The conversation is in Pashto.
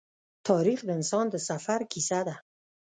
تاریخ د انسان د سفر کیسه ده.